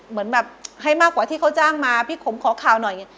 เหมือนแบบให้มากกว่าที่เขาจ้างมาพี่ขมขอข่าวหน่อย